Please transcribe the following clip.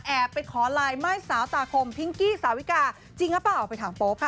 ไปขอลายม่ายสาวตาคมพิงกี้สาวิกาจริงหรือเปล่าไปถามโป๊ปค่ะ